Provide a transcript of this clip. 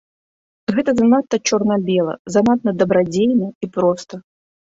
Гэта занадта чорна-бела, занадта дабрадзейна і проста.